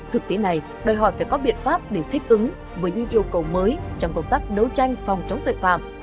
thực tế này đòi hỏi phải có biện pháp để thích ứng với những yêu cầu mới trong công tác đấu tranh phòng chống tội phạm